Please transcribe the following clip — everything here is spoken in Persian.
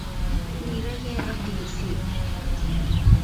لیرۀ انگلیسی